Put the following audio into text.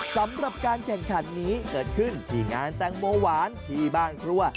สำหรับการแข่งขันนี้เกิดขึ้นที่งานแตงโมหวานที่บ้านครัว